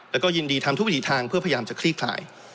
แล้วก็ยินดีทำทุกวิถีทางเพื่อพยายามจะคลี่คลาย